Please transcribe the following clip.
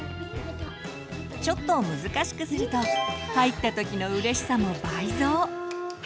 ちょっと難しくすると入った時のうれしさも倍増！